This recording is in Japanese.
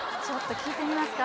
聴いてみますか？